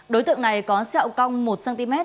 đối tượng này có sẹo cong một cm